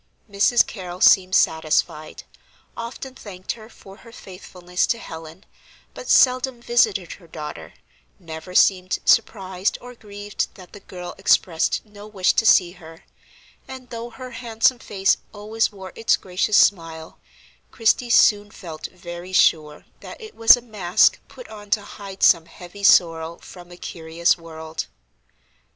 Mrs. Carrol seemed satisfied, often thanked her for her faithfulness to Helen, but seldom visited her daughter, never seemed surprised or grieved that the girl expressed no wish to see her; and, though her handsome face always wore its gracious smile, Christie soon felt very sure that it was a mask put on to hide some heavy sorrow from a curious world.